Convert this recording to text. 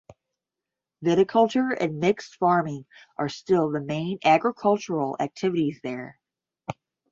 Viticulture and mixed farming are still the main agricultural activities there.